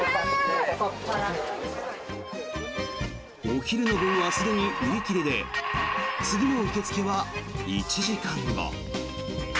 お昼の分はすでに売り切れで次の受け付けは１時間後。